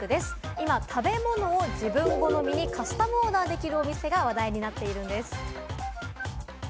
今、食べ物は自分好みにカスタマイズできるお店が話題になっているんです。